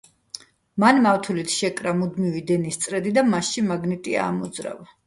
მან მავთულით შეკრა მუდმივი დენის წრედი და მასში მაგნიტი აამოძრავა.